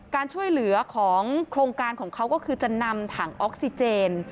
การช่วยเหลือของโครงการของเขาก็คือจะนำถังออกซิเจน